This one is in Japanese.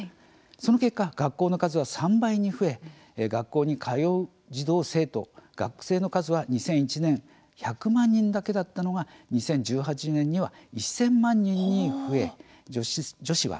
その結果、学校の数は３倍に増え学校に通う児童生徒、学生の数は２００１年１００万人だけだったのが２０１８年にはこのように１０００万人に増えました。